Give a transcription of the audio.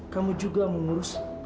kamu juga mengurus